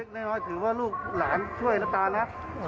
น้อยถือว่าลูกหลานช่วยน้ำตานะ